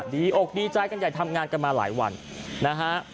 อกดีใจกันใหญ่ทำงานกันมาหลายวันนะฮะ